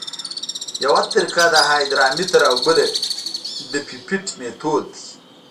یوه طریقه د هایدرامتر او بله د پیپیټ میتود دی